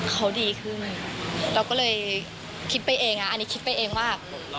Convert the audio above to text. เขาดีขึ้นเราก็เลยคิดไปเองอันนี้คิดไปเองว่า